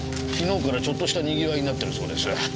昨日からちょっとしたにぎわいになってるそうです。